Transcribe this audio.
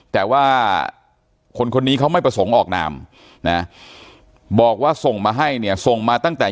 แต่ว่าคนคนนี้เขาไม่ประสงค์ออกนามนะบอกว่าส่งมาให้เนี่ยส่งมาตั้งแต่